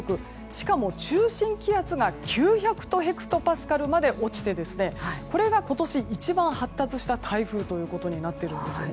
しかも、中心気圧が９００ヘクトパスカルまで落ちてこれが今年一番発達した台風となっているんですね。